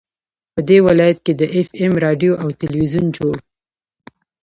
په دې ولايت كې د اېف اېم راډيو او ټېلوېزون جوړ